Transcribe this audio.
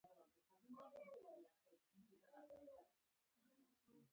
د وینې رګونه او حالب سره جلا کړئ.